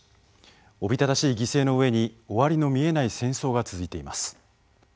おびただしい犠牲の上に終わりの見えない戦争が続いています。